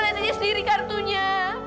lihat aja sendiri kartunya